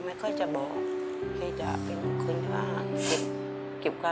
ไม่บอกใครไม่ก็รู้ไม่ก็หนักใจ